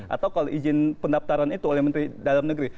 atau kalau izin pendaftaran itu oleh menteri dalam negeri